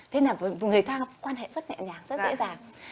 thế là người ta có quan hệ rất nhẹ nhàng rất dễ dàng